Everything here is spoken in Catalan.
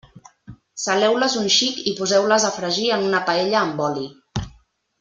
Saleu-les un xic i poseu-les a fregir en una paella amb oli.